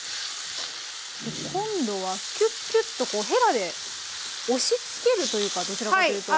今度はキュッキュッとこうへらで押しつけるというかどちらかというと。